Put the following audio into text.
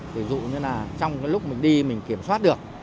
ví dụ như là trong lúc mình đi mình kiểm soát được